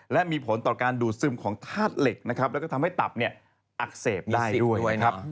และมีผลต่อการดูดซึมของธาตุเหล็กและทำให้ตับอักเสบได้ด้วย